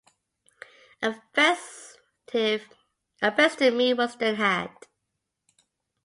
A festive meal was then had.